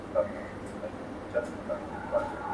• اوبه په کمزورې ورخ ماتېږي.